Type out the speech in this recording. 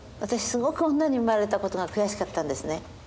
すごく女に生まれたことが悔しかったんですね。